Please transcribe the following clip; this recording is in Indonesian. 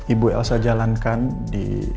ibu yulsa jalankan di